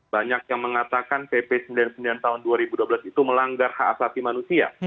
banyak yang mengatakan pp sembilan puluh sembilan tahun dua ribu dua belas itu melanggar hak asasi manusia